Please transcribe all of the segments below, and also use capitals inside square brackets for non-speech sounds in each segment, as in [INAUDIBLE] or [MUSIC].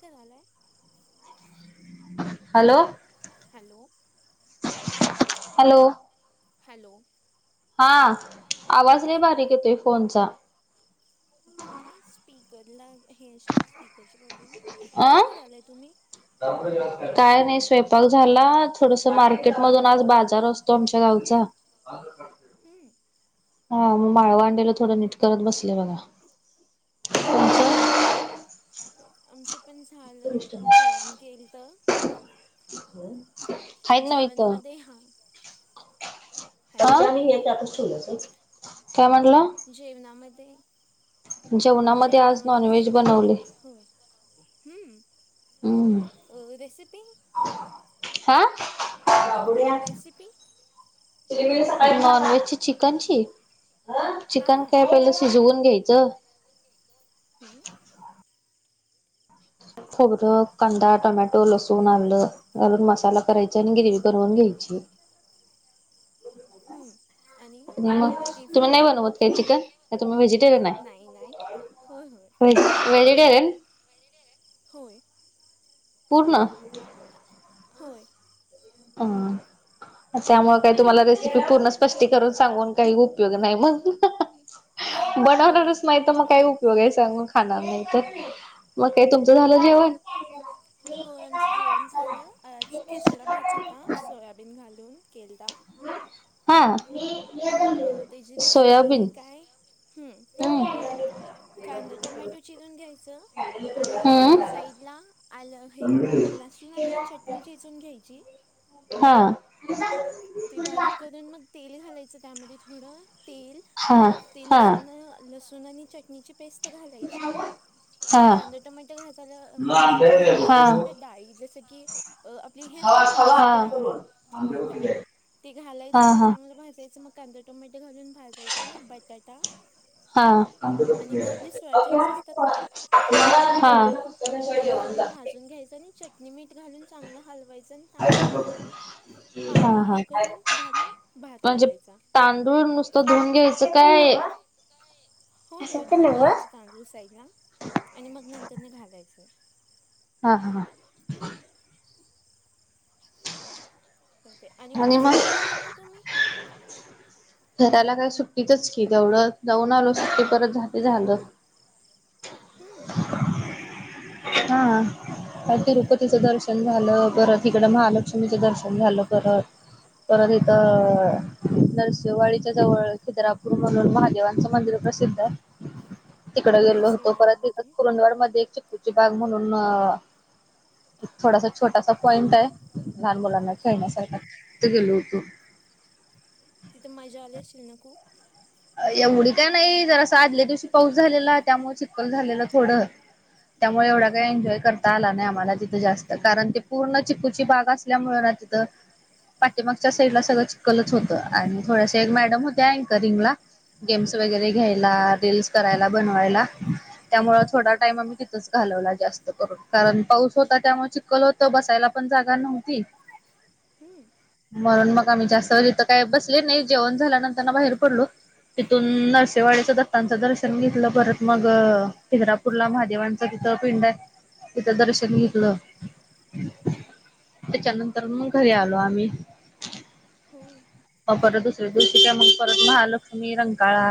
ते झालं आहे. हॅलो हॅलो हॅलो हॅलो हा आवाज लय बारीक येतोय फोनचा. स्पीकरला हे असं स्पीकरशी प्रॉब्लेम आहे काय करायलाय तुम्ही? काय नाही स्वयंपाक झाला थोडस मार्केट मधून आज बाजार अस तो आमच्या गावचा. [INAUDIBLE] हा मग माळव आणलेलं थोडं निट करत बसले बघा. हो आमचं पण छान जेवण केलंत. हम्म. जेवण मध्ये हा. हा [INAUDIBLE] काय म्हणलं जेवणामध्ये जेवणामध्ये खिचडा भात. हो रेसिपी. हा. नॉन व्हेजची चिकनची? चिकन काय पहिलं शिजवून घ्यायचं. हम्म. खोबरं कांदा, टोमॅटो लसूण अल्ल. घालून मसाला करायचा आणि ग्रेवी करवून घ्यायची. हम्म आणि ते फोडणी बे चिकन काय तुम्ही व्हेजिटेरियन हाय व्हेजिटेरियन. होय. पूरला? होय. आ त्यामुळे काही तुम्हाला रेसिपी पूर्ण स्पष्टीकरून सांगून काही उपयोग नाही मग. बनवणारच नाहीत. तर मग काय उपयोग आहे सांग मग खाणार नाही तर. मग काय तुमचं झालं जेवण? हो आमचं जेवण झालं. आज खिचडा भात होता सोयाबीन घालून केलता. हा त्याची रेसिपी काय? हम्म. अ कांदा, टोमॅटो चिरून घ्यायचं. आणि साईडला आलं हे अ लसूण आणि चटणी चेचून घ्यायची. हा. ते बारीक करून मग तेल घालायचं त्यामध्ये थोडं तेल ते लसूण लसूण आणि चटणीची पेस्ट घालायची. कांदा, टमाॅटो भाताला भाजायला घालायचं आणि थोडं डाळी. जसं की आपली हे असतं ना मसूरडाळ, मूगडाळ. ते घालायचं ते चांगलं भाजायचं, मग कांदा टोमॅटो घालून भाजायचं. आणि बटाटा हा हा. ते घालून भाजून घ्यायचं आणि चटणी, मीट घालून चांगलं हलवायचं आणि तांदूळ घालून पाणी हे करून घालून भात लावायचा. तांदूळ नुसतं धुऊन घ्यायचं काय होय होय धूऊन घ्यायचं तांदूळ साइडला आणि मग नंतरन घालायचं. हा हा. चालतंय आणि कुठं फिरायला गेलंता तुम्ही? फिरायला काय सुट्टीतच की, तेवढं जाऊन आलो सुट्टी परत झालं की झालं. हम्म. हा. आणि तिरुपतीचं दर्शन झालं, परत हिकडं महालक्ष्मीचं दर्शन झालं परत. परत इथं नरसिंहवाडीच्या जवळ खिद्रापूर म्हणून महादेवांचं मंदिर प्रसिद्ध आहे. [INAUDIBLE] तिकडे गेलो होतो. परत इथं कुरुंदवाडमध्ये एक [UNINTELLIGIBLE] म्हणून एक थोडासा छोटासा पॉइंट आहे. लहान मुलांना खेळण्यासारखा तिथे गेलो होतो. तिथे मजा आली असेल ना खूप? एवढी काय नाही जरासं आदल्या दिवशी पाऊस झालेला त्यामुळे चिखल झालेलं थोडं. त्यामुळे एवढं काय एन्जॉय करत आला नाही आम्हाला तिथं जास्त कारण ते पूर्ण चिकूची बाग असल्यामुळे ना तिथं पाठीमागच्या साईडला सगळं चिखलच होतं आणि थोड्याशा एक मॅडम होत्या अँकरिंगला. गेम्स वगैरे घ्यायला, रिल्स करायला, बनवायला. त्यामुळं थोडा टाइम आम्ही तिथंच घालवला जास्त करून, कारण पाऊस होता त्यामुळे चिख चिखल होत बसायला पण जागा नव्हती. [INAUDIBLE] हम्म. म्हणून मग आम्ही जास्त वेळ तर काही बसले नाही, जेवण झाल्यानंतर ना बाहेर पडलो. तिथून नृसिंहवाडी चं दत्तांचं दर्शन घेतलं, परत मग खिद्रापूरला महादेवांचं. तिथं पिंड आहे, तीथ दर्शन घेतलं. त्याच्यानंतर मग, घरी आलो आम्ही. हो. परत दुसऱ्या दुसशी, मग परत महाल मी रंकाळा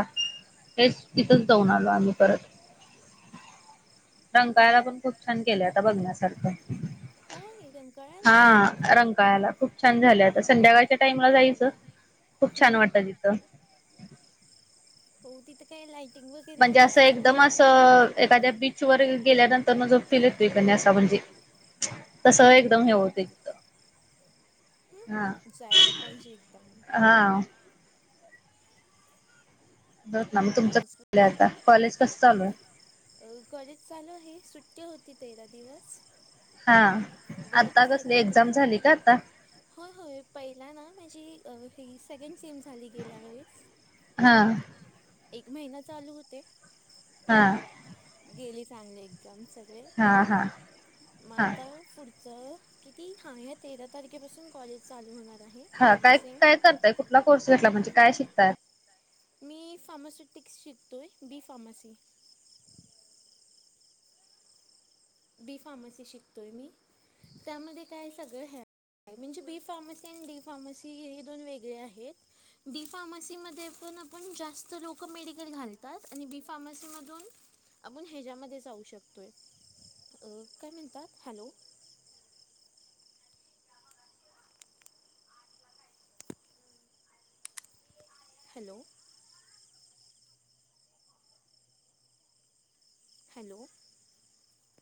तेच, तिथेच जाऊन आलो आम्ही परत. [INAUDIBLE] रंकाळ्याला पण खूप छान केलंय, आता बघण्यासारखं हां.. रंकाळ्याला खूप छान झालंय आता संध्याकाळच्या टाइमला जायचं खूप छान वाटतंय तिथं. हो तिथं काय, लायटिंग वर म्हणजे असं एकदम असं एखाद्या बीच वरी ‌गेल्यानंतर म जो फिल येतोय का नाय असा म्हणजे. तसं एकदम हे होतंय तिथं. हम हम. जायला पाहिजे एकदा मग. हावं. हो का तूमच काय आता, कॉलेज कसं चालू ये. अं... कॉलेज चालू आहे, सुट्टी होती तेरा दिवस. हा आता कसली एक्झाम झाली का आता? होय होय, पहीलाना माझी ही, सेकंद सेम झाली गेल्या वेळीस. हां. एक महिना चालू होते. हां. गेली चांगली एक्झम सगळे, मग आता पुढ तर किती हा या तेरा तारखेपासून कॉलेज चालू होणार आहे तर सेम कुठला कोर्स घेतला म्हणजे काय शिकतात? मी फार्मास्युटिक्स शिकतोय डी फार्मासी. बी फार्मसी शिकतोय मी, त्यामध्ये काय सगळं हेल म्हणजे B pharmacy and, D pharmacy हे दोन वेगळे आहेत. डी फार्म सी मध्ये पण आपण जास्त लोकं मेडिकल घालतात आणि बी फार्म सी मधून आपण हेजयामधे जाऊ शकतोय, काय म्हणतात हॅलो. हॅलो. हेलो.